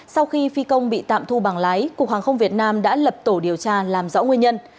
sau khi phi công bị tạm thu bằng lái cục hàng không việt nam đã lập tổ điều tra làm rõ nguyên nhân